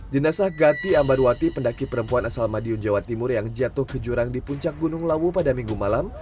jenazah gati ambarwati pendaki perempuan asal madiun jawa timur yang jatuh ke jurang di puncak gunung lawu pada minggu malam